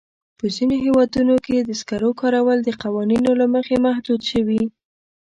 په ځینو هېوادونو کې د سکرو کارول د قوانینو له مخې محدود شوي.